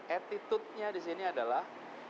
attitudenya di sini adalah